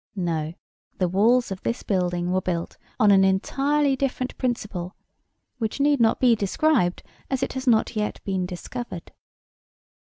No. The walls of this building were built on an entirely different principle, which need not be described, as it has not yet been discovered.